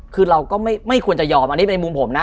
คือเราก็ไม่ควรจะยอมอันนี้เป็นมุมผมนะ